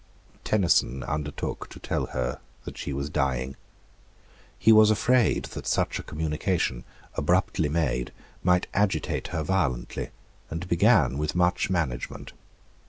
Tenison undertook to tell her that she was dying. He was afraid that such a communication, abruptly made, might agitate her violently, and began with much management.